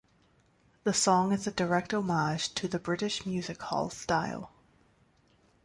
The song is a direct homage to the British music hall style.